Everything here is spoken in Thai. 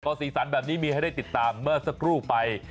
ก็สีสันแบบนี้มีให้ได้ติดตามเมื่อสักครู่ไป